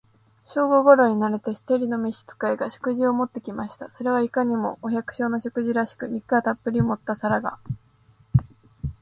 正午頃になると、一人の召使が、食事を持って来ました。それはいかにも、お百姓の食事らしく、肉をたっぶり盛った皿が、